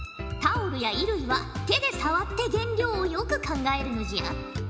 タオルや衣類は手で触って原料をよく考えるのじゃ。